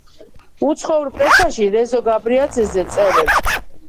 უცხოურ პრესაში რეზო გაბრიაძეზე წერენ: